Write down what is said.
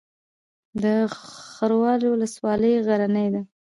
د خروار ولسوالۍ غرنۍ ده